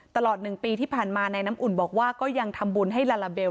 ตลอด๑ปีที่ผ่านมาในน้ำอุ่นบอกว่าก็ยังทำบุญให้ลาลาเบล